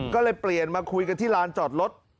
ก็เลยเปลี่ยนมาคุยกันที่ลานจอดรถ